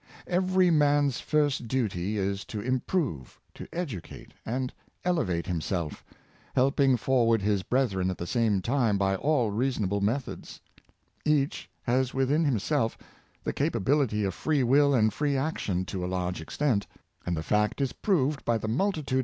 Every man's first duty is, to improve, to educate, and elevate himself, helping forward his brethren at the same time by all reasonable methods Each has within himself the capability of free will and free action to a large extent; and the fact is proved by the multitude 420 Self improvement.